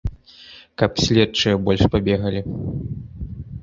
Каб следчыя больш пабегалі?